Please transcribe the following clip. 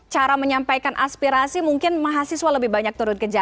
cara menyampaikan aspirasi mungkin mahasiswa lebih banyak turun ke jalan